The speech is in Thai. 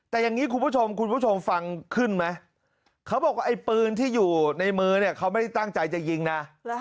แต่อย่างนี้คุณผู้ชมคุณผู้ชมฟังขึ้นไหมเขาบอกว่าไอ้ปืนที่อยู่ในมือเนี่ยเขาไม่ได้ตั้งใจจะยิงนะ